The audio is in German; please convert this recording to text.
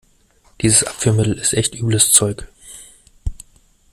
Dieses Abführmittel ist echt übles Zeug.